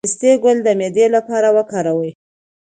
د پسته ګل د معدې لپاره وکاروئ